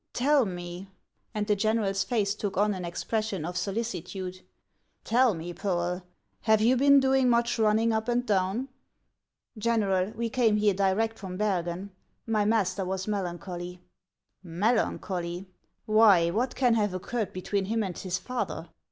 Tell me," and the general's face took on an expression of solicitude, "tell me, Poel, have you been doing much running up and down ?"'• General, we came here direct from Bergen. My master was melancholy." " Melancholy ! Why, what can have occurred between him and his father